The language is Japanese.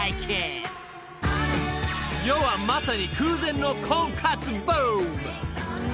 ［世はまさに空前の婚活ブーム］